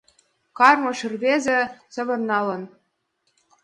Кармыш рвезе савырналын